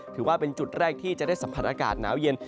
ถือว่าเป็นจุดแรกที่จะได้สัมผัสอากาศหนาวเย็น